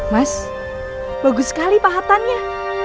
mas bagus sekali pahatannya